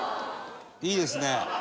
いいですね。